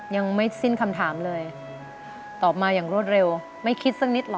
ยังไม่สิ้นคำถามเลยตอบมาอย่างรวดเร็วไม่คิดสักนิดหรอ